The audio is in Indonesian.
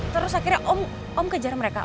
terus akhirnya om om kejar mereka om